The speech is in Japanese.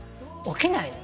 起きないの。